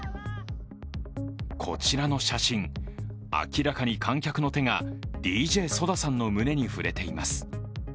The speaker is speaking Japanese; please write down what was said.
こちらの写真、明らかに観客の手がＤＪＳＯＤＡさんの胸に触れています。